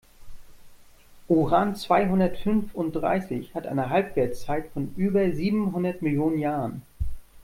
Uran-zweihundertfünfunddreißig hat eine Halbwertszeit von über siebenhundert Millionen Jahren.